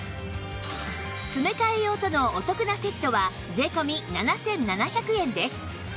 詰め替え用とのお得なセットは税込７７００円です